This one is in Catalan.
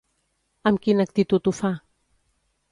Amb quina actitud ho fa?